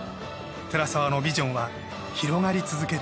寺澤のビジョンは広がり続ける。